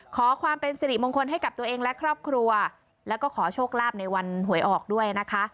ขอความเป็นสิริมงคลให้กับตัวเองและครอบครัวแล้วก็ขอโชคลาภในวันหวยออกด้วยนะคะ